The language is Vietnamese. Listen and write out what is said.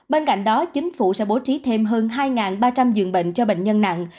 bên cạnh đó chính phủ sẽ bố trí thêm hơn hai ba trăm linh giường bệnh cho bệnh nhân nặng